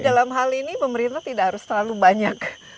jadi dalam hal ini pemerintah tidak harus terlalu banyak